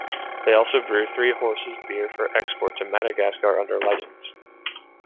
They also brew Three Horses beer for export to Madagascar under licence.